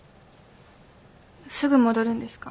すぐ戻るんですか？